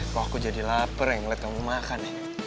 kok aku jadi lapar yang ngeliat kamu makan